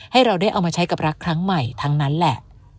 เราได้เอามาใช้กับรักครั้งใหม่ทั้งนั้นแหละ